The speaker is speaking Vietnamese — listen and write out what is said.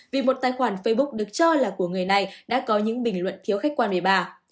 vì một tài khoản facebook được cho là của người này đã có những bình luận thiếu khách quan với bà